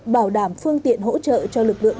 bảo đảm phương tiện hỗ trợ cho lực lượng